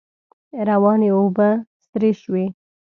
روانې اوبه سرې شوې.